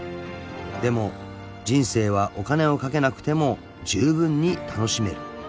［でも人生はお金をかけなくてもじゅうぶんに楽しめる］